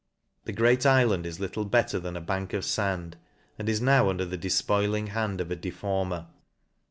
The great ifland is little better than a bank of fand, and is now under the defpoiling hand of a deformer.